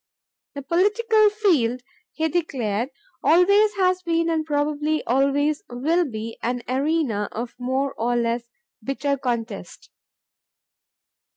"The political field," he declared, "always has been and probably always will be an arena of more or less bitter contest.